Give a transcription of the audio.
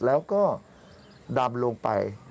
แล้วก็ดำลงไป